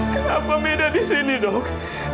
kenapa minda disini dok